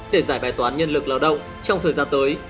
để giải bài toán nhân lực lao động trong thời gian tới